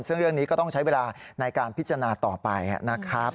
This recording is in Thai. ซึ่งเรื่องนี้ก็ต้องใช้เวลาในการพิจารณาต่อไปนะครับ